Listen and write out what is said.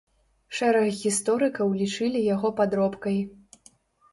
Шэраг гісторыкаў лічылі яго падробкай.